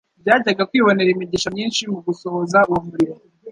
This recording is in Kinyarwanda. ryajyaga kwibonera imigisha myinshi mu gusohoza uwo murimo,